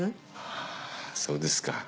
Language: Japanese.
あそうですか。